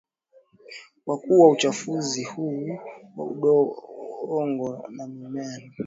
wakuu wa uchafuzi huu wa udongo ni mimea Ingawa wanyama pia wameathiriwa